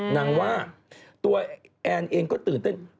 นางว่าตัวแอนเองก็ตื่นเต้น